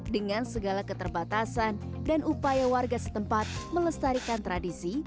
dengan segala keterbatasan dan upaya warga setempat melestarikan tradisi